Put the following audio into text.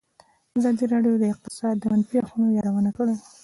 ازادي راډیو د اقتصاد د منفي اړخونو یادونه کړې.